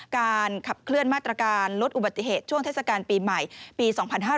การขับเคลื่อนมาตรการลดอุบัติเหตุช่วงเทศกาลปีใหม่ปี๒๕๕๙